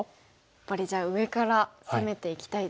やっぱりじゃあ上から攻めていきたいですね。